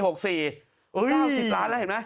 เฮ้ยเห็นไหม๙๐ล้านแล้ว